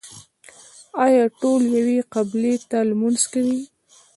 آیا ټول یوې قبلې ته لمونځ کوي؟